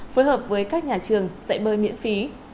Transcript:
phối hợp với các nhà trường dạy bơi miễn phí